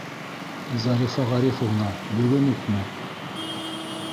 -Зарифа Ғарифовна, бөгөн үкме?